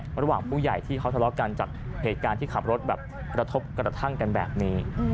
ระหว่างผู้ใหญ่ที่เขาทะเลาะกันจากเหตุการณ์ที่ขับรถแบบกระทบกระทั่งกันแบบนี้